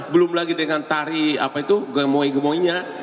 belum lagi dengan tari gemoy gemoynya